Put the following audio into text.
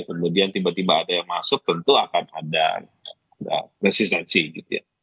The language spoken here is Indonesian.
kemudian tiba tiba ada yang masuk tentu akan ada resistensi gitu ya